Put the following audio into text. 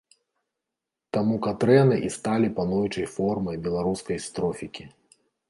Таму катрэны і сталі пануючай формай беларускай строфікі.